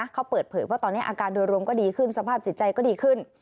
เขาเปิดเผยว่าตอนนี้อาการโดยรวมก็ดีขึ้นสภาพจิตใจก็ดีขึ้น